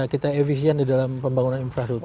kita efisien di dalam pembangunan infrastruktur